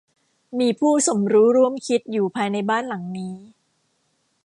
มีผู้สมรู้ร่วมคิดอยู่ภายในบ้านหลังนี้